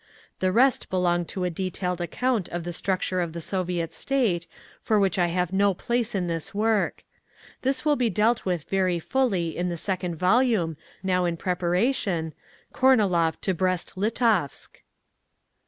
The rest belong to a detailed account of the Structure of the Soviet State, for which I have no place in this work. This will be dealt with very fully in the second volume, now in preparation, "Kornilov to Brest Litovsk."